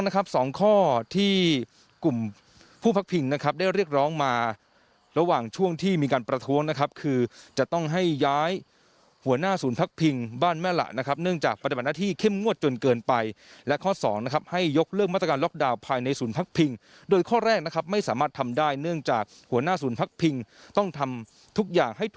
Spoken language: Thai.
นะครับสองข้อที่กลุ่มผู้พักพิงนะครับได้เรียกร้องมาระหว่างช่วงที่มีการประท้วงนะครับคือจะต้องให้ย้ายหัวหน้าศูนย์พักพิงบ้านแม่หละนะครับเนื่องจากปฏิบัติหน้าที่เข้มงวดจนเกินไปและข้อสองนะครับให้ยกเลิกมาตรการล็อกดาวน์ภายในศูนย์พักพิงโดยข้อแรกนะครับไม่สามารถทำได้เนื่องจากหัวหน้าศูนย์พักพิงต้องทำทุกอย่างให้